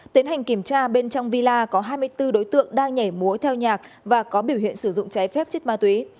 tiến hành kiểm tra bên trong villa có hai mươi bốn đối tượng đang nhảy múa theo nhạc và có biểu hiện sử dụng trái phép chất ma túy